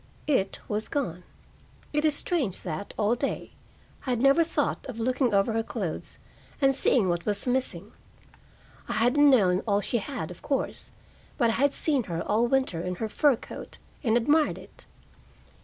It was gone. It is strange that, all day, I had never thought of looking over her clothes and seeing what was missing. I hadn't known all she had, of course, but I had seen her all winter in her fur coat and admired it.